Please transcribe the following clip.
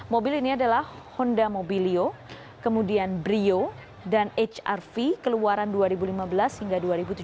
mobil ini adalah honda mobilio kemudian brio dan hrv keluaran dua ribu lima belas hingga dua ribu tujuh belas